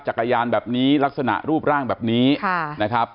จักรยานแบบนี้ลักษณะรูปร่างแบบนี้นะครับ